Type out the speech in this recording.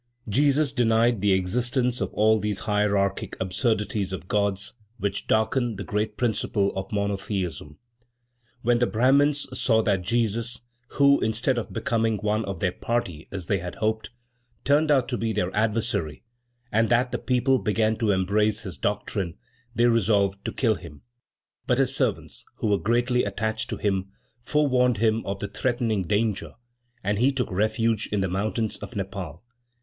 Jesus denied the existence of all these hierarchic absurdities of gods, which darken the great principle of monotheism. When the Brahmins saw that Jesus, who, instead of becoming one of their party, as they had hoped, turned out to be their adversary, and that the people began to embrace his doctrine, they resolved to kill him; but his servants, who were greatly attached to him, forewarned him of the threatening danger, and he took refuge in the mountains of Nepaul.